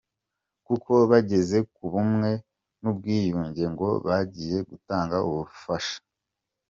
Kuko bageze ku bumwe n’ubwiyunge ngo bagiye gutanga ubufasha